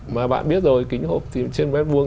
mà bạn biết rồi kính hộp thì trên mét vuông